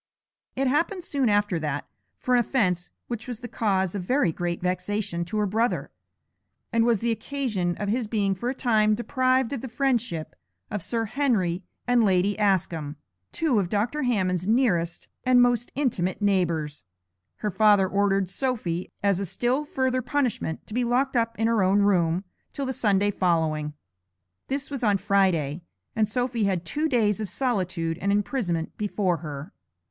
It happened soon after that, for an offence which was the cause of very great vexation to her brother, and was the occasion of his being for a time deprived of the friendship of Sir Henry and Lady Askham, two of Dr. Hammond's nearest and most intimate neighbours, her father ordered Sophy, as a still further punishment, to be locked up in her own room till the Sunday following. This was on Friday, and Sophy had two days of solitude and imprisonment before her.